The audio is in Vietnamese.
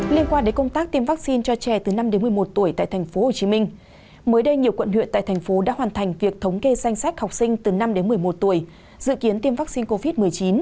liên quan đến công tác tiêm vaccine cho trẻ từ năm đến một mươi một tuổi tại tp hcm mới đây nhiều quận huyện tại thành phố đã hoàn thành việc thống kê danh sách học sinh từ năm đến một mươi một tuổi dự kiến tiêm vaccine covid một mươi chín